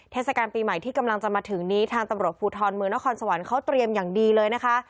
เทศกาลปีใหม่ที่กำลังจะมาถึงนี้ทางตำรวจภูทรเมืองนครสวรรค์เขาเตรียมอย่างดีเลยนะคะ